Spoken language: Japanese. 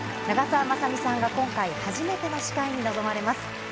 長澤まさみさんが今回、初めての司会に臨まれます。